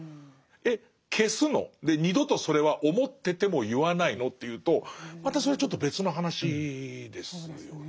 「えっ消すの？で二度とそれは思ってても言わないの？」っていうとまたそれちょっと別の話ですよね。